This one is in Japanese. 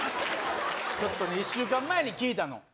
ちょっと１週間前に聞いたの。